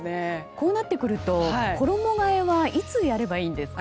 こうなってくると衣替えはいつやればいいですか？